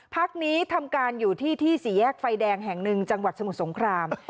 พักนี้ทำการอยู่ที่ที่สี่แยกไฟแดงแห่งหนึ่งจังหวัดสมุทรสงคราม